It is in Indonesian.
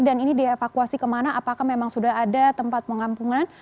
dan ini dievakuasi kemana apakah memang sudah ada tempat pengampungan